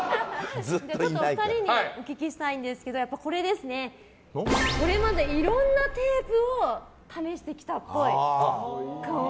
お二人にお聞きしたいんですけどこれまでいろんなテープを試してきたっぽい。